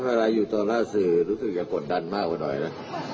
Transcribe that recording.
อะไรอยู่ตรงหน้าสื่อรู้สึกจะกดดันมากกว่าหน่อยนะ